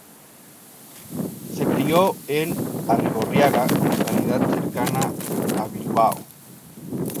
Se crio en Arrigorriaga, localidad cercana a Bilbao.